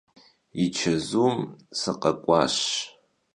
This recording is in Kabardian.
Yi çezum sıkhek'uaş.